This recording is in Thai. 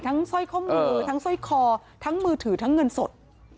สร้อยข้อมือทั้งสร้อยคอทั้งมือถือทั้งเงินสด